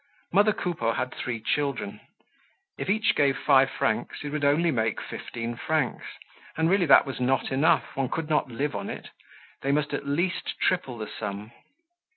Mother Coupeau had three children; if each one gave five francs it would only make fifteen francs, and really that was not enough, one could not live on it; they must at least triple the sum.